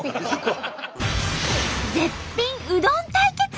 絶品うどん対決！